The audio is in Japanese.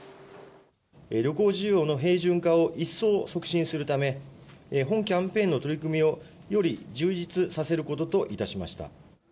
旅行需要の平準化を一層促進するため、本キャンペーンの取り組みを、より充実させることといたしました。